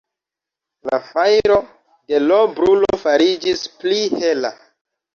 La fajro de l' brulo fariĝis pli hela.